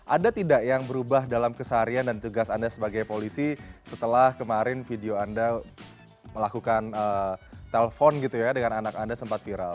ada tidak yang berubah dalam keseharian dan tugas anda sebagai polisi setelah kemarin video anda melakukan telpon gitu ya dengan anak anda sempat viral